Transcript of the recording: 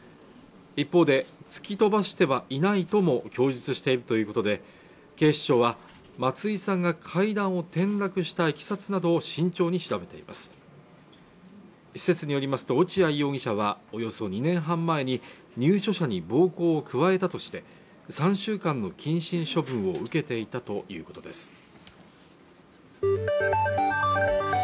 一方で突き飛ばしてはいないとも供述しているということで警視庁は松井さんが階段を転落したいきさつなどを慎重に調べています施設によりますと落合容疑者はおよそ２年半前に入所者に暴行を加えたとして３週間の謹慎処分を受けていたということです